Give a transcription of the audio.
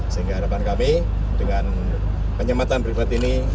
sehingga harapan kami dengan penyematan privat ini